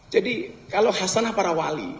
jadi kalau hasanah para wali